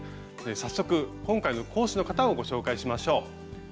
早速今回の講師の方をご紹介しましょう。